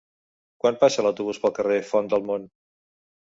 Quan passa l'autobús pel carrer Font del Mont?